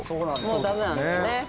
もうダメなんだもんね。